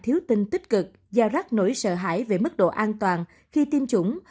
thiếu tin tích cực giao rắc nổi sợ hãi về mức độ an toàn khi tiêm chủng